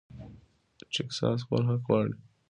ټیکساس خپل حق غواړي.